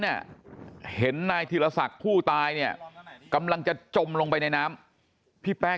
เนี่ยเห็นนายธีรศักดิ์ผู้ตายเนี่ยกำลังจะจมลงไปในน้ำพี่แป๊ก